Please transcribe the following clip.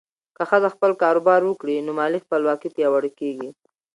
که ښځه خپل کاروبار وکړي، نو مالي خپلواکي پیاوړې کېږي.